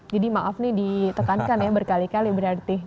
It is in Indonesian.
jadi maaf nih ditekankan ya berkali kali berarti